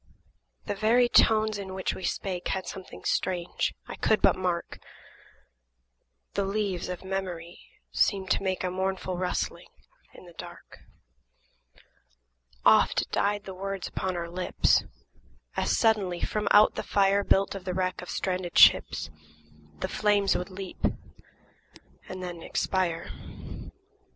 The very tones in which we spake Had something strange, I could but mark; The leaves of memory seemed to make A mournful rustling in the dark. Oft died the words upon our lips, As suddenly, from out the fire Built of the wreck of stranded ships, The flames would leap and then expire.